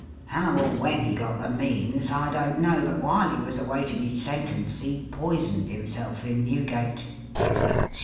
How or when he got the means I don't know ; but while he was awaiting his sentence, he poisoned himself in Newgate."